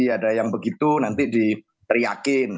ada yang begitu nanti di teriakin